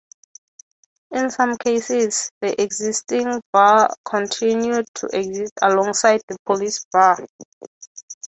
In some cases the existing burgh continued to exist alongside the police burgh.